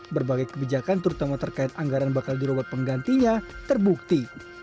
berbagai kebijakan terutama terkait anggaran bakal dirobot penggantinya terbukti